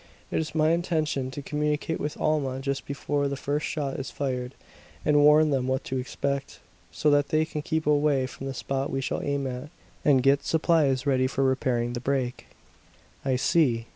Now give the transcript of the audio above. "It is my intention to communicate with Alma just before the first shot is fired, and warn them what to expect; so that they can keep away from the spot we shall aim at, and get supplies ready for repairing the break." "I see.